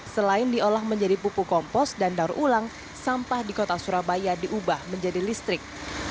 selain diolah menjadi pupuk kompos dan daur ulang sampah di kota surabaya diubah menjadi listrik